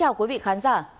xin chào quý vị khán giả